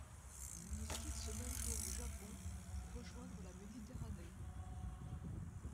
Il quitte ce même jour le Japon pour rejoindre la Méditerranée.